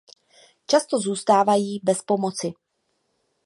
Často zůstávají bez pomoci.